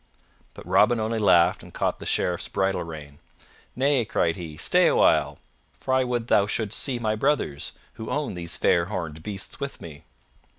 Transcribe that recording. But Robin only laughed and caught the Sheriff's bridle rein. "Nay," cried he, "stay awhile, for I would thou shouldst see my brothers, who own these fair horned beasts with me."